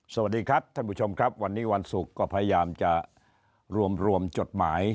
สวัสดีครับท่านผู้ชมครับวันนี้วันศุกร์ก็พยายามจะรวมรวมจดหมาย